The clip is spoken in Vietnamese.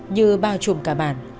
như bao trùm cả bản